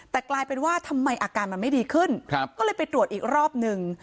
แต่กลายเป็นว่าทำไมอาการมันไม่ดีขึ้นก็เลยไปตรวจอีกรอบหนึ่ง